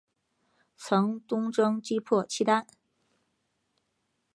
曾东征击破契丹。